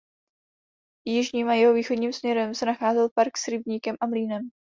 Jižním a jihovýchodním směrem se nacházel park s rybníkem a mlýnem.